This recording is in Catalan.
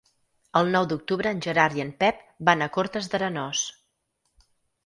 El nou d'octubre en Gerard i en Pep van a Cortes d'Arenós.